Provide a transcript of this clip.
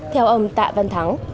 theo ông tạ văn thắng